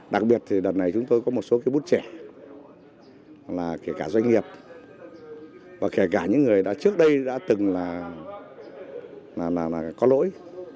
đặc biệt thì đợt này chúng tôi có một số cái bút trẻ kể cả doanh nghiệp và kể cả những người đã trước đây đã từng là có lỗi